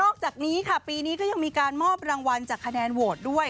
จากนี้ค่ะปีนี้ก็ยังมีการมอบรางวัลจากคะแนนโหวตด้วย